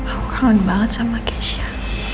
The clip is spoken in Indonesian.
aku kangen banget sama keisha